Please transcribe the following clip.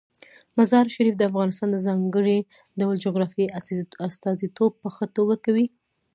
مزارشریف د افغانستان د ځانګړي ډول جغرافیې استازیتوب په ښه توګه کوي.